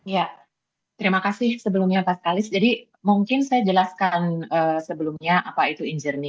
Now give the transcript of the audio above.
ya terima kasih sebelumnya pak sekali jadi mungkin saya jelaskan sebelumnya apa itu injernie